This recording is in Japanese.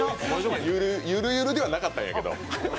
ゆるゆるではなかったんだけど。